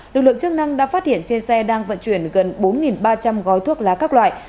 lực lượng chức năng đã phát hiện trên xe đang vận chuyển gần bốn ba trăm linh gói thuốc lá các loại